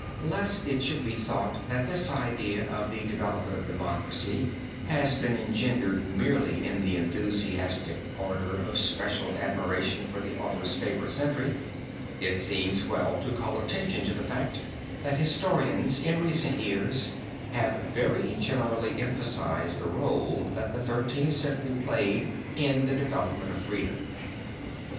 Lest it should be thought that this idea of the development of democracy has been engendered merely in the enthusiastic ardor of special admiration for the author's favorite century, it seems well to call attention to the fact that historians in recent years have very generally emphasized the role that the Thirteenth Century played in the development of freedom.